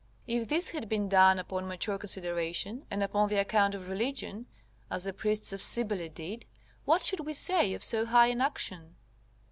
If this had been done upon mature consideration, and upon the account of religion, as the priests of Cybele did, what should we say of so high an action?